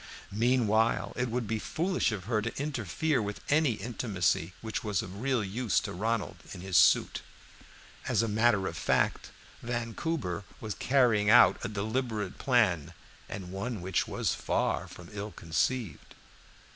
Meanwhile it would be foolish of her to interfere with any intimacy which was of real use to Ronald in his suit. As a matter of fact, Vancouver was carrying out a deliberate plan, and one which was far from ill conceived.